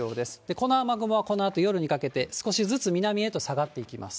この雨雲は、このあと夜にかけて、少しずつ南へと下がっていきます。